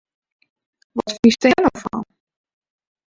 Wat fynst dêr no fan!